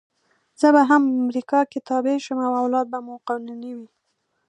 زه به هم امریکایي تبعه شم او اولاد به مو قانوني وي.